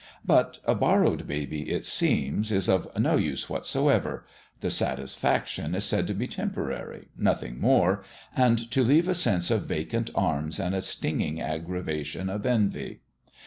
But a borrowed baby, it seems, is of no use what soever ; the satisfaction is said to be temporary nothing more and to leave a sense of vacant arms and a stinging aggravation of envy.